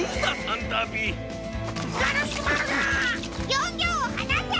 ギョンギョンをはなせ！